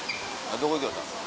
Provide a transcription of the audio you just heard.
どこ行きよったん？